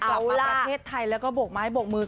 กลับมาประเทศไทยแล้วก็โบกไม้โบกมือ